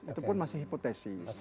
itu pun masih hipotesis